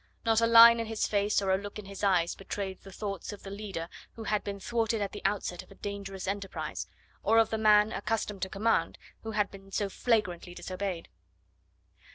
Not a line in his face or a look in his eyes betrayed the thoughts of the leader who had been thwarted at the outset of a dangerous enterprise, or of the man, accustomed to command, who had been so flagrantly disobeyed.